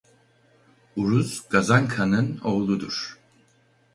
Uruz Gazankha'nın oğludur.